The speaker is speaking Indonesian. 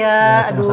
ya sama sama bu